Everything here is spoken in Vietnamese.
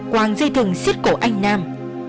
quảng dây thừng xích cổ anh nam